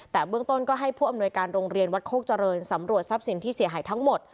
แต่เบื้องต้นก็ให้ผู้อำนวยการโรงเรียนวัดโคกเจริญสำรวจทรัพย์สินที่เสียหายทั้งหมด